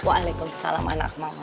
waalaikumsalam anak mama